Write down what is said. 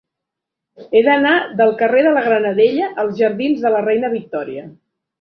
He d'anar del carrer de la Granadella als jardins de la Reina Victòria.